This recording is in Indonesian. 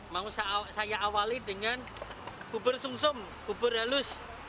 mau saya awali dengan bubur sum sum bubur halus